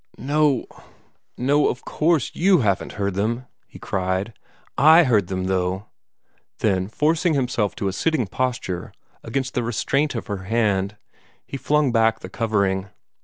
"No, of course, YOU haven't heard them!" he cried. "I heard them, though!" Then, forcing himself to a sitting posture, against the restraint of her hand, he flung back the covering.